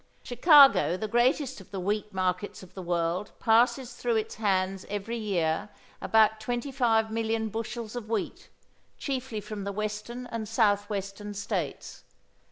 Chicago the greatest of the wheat markets of the world passes through its hands every year about 25 million bushels of wheat, chiefly from the western and south western States.